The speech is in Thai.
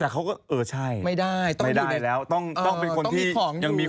แองจิมีหัวเป็นคอมอย่างนี้